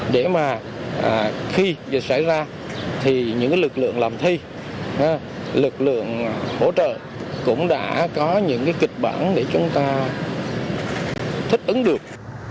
để mà khi dịch xảy ra thì những lực lượng làm thi lực lượng hỗ trợ cũng đã có những kịch bản để chúng ta thích ứng được